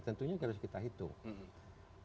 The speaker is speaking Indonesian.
tentunya harus kita hitung